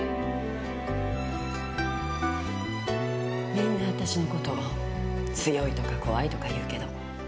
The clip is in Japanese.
みんなわたしのこと強いとか怖いとか言うけど。